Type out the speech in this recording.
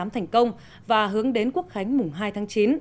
thành công và hướng đến quốc khánh mùng hai tháng chín